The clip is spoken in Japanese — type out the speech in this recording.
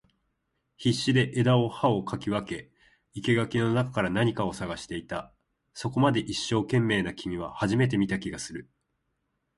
必死で枝を葉を掻き分け、生垣の中から何かを探していた。そこまで一生懸命な君は初めて見た気がする。